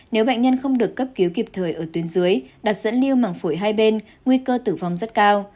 nếu bệnh nhân không được cấp cứu kịp thời ở tuyến dưới đặt dẫn liêu mảng phổi hai bên nguy cơ tử vong rất cao